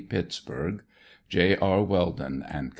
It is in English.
Pittsburg: J. R. Weldin & Co.